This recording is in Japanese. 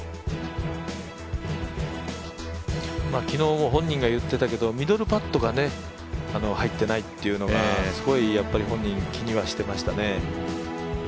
昨日本人が言ってたけどミドルパットが入っていないっていうのがすごい本人、気にはしてましたね。